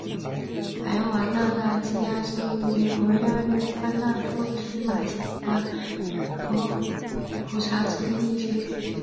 海瓦纳纳基亚是位于美国亚利桑那州皮马县的一个人口普查指定地区。